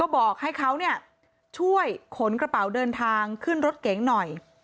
บอกให้เขาช่วยขนกระเป๋าเดินทางขึ้นรถเก๋งหน่อย